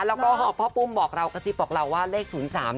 แล้วก็พ่อปุ้มบอกเรากระซิบบอกเราว่าเลข๐๓